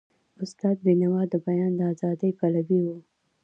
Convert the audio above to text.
استاد بینوا د بیان د ازادی پلوی و.